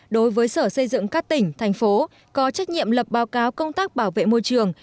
đối với sở xây dựng các tỉnh thành phố có trách nhiệm lập báo cáo công tác bảo vệ môi trường